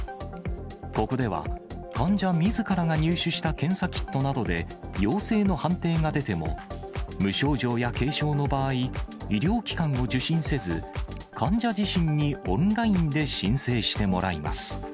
ここでは患者みずからが入手した検査キットなどで、陽性の判定が出ても、無症状や軽症の場合、医療機関を受診せず、患者自身にオンラインで申請してもらいます。